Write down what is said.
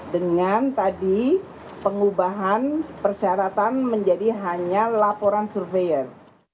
dengan tadi pengubahan persyaratan menjadi hanya laporan survei